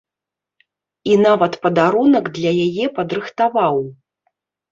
І нават падарунак для яе падрыхтаваў!